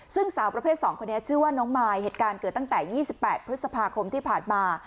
ซึ่งสาวประเภท๒คนนี้ชื่อว่าน้องมายเหตุการณ์เกิดตั้งแต่๒๘พฤษภาคมที่ผ่านมา